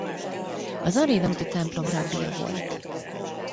Az Aréna úti templom rabbija volt.